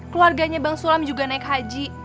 keluarganya bang sulam juga naik haji